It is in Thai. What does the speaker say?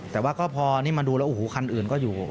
แต่ว่าก็พอนี่มาดูแล้วโอ้โหคันอื่นก็อยู่